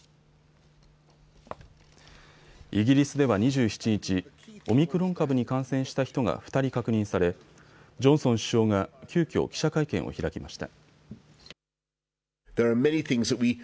イギリスでは２７日、オミクロン株に感染した人が２人確認されジョンソン首相が急きょ記者会見を開きました。